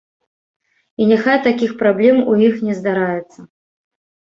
І няхай такіх праблем у іх не здараецца!